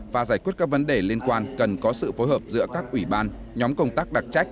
và giải quyết các vấn đề liên quan cần có sự phối hợp giữa các ủy ban nhóm công tác đặc trách